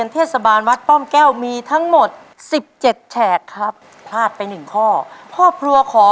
ปลูก